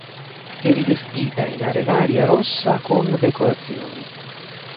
È rivestita in arenaria rossa con decorazioni.